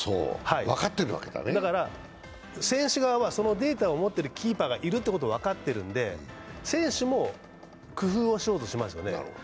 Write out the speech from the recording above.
だから選手側はそのデータを持ったキーパーがいるということは分かってるんで、選手も工夫をしようとしますよね。